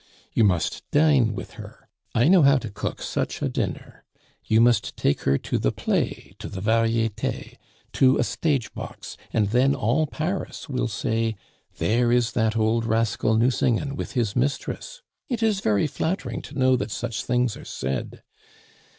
You must dine with her I know how to cook such a dinner! You must take her to the play, to the Varietes, to a stage box, and then all Paris will say, 'There is that old rascal Nucingen with his mistress.' It is very flattering to know that such things are said.